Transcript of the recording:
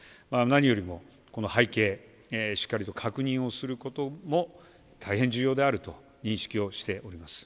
何よりも、この背景、しっかりと確認をすることも大変重要であると認識をしております。